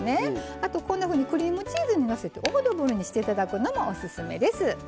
あと、クリームチーズにのせてオードブルにしていただくのもオススメです。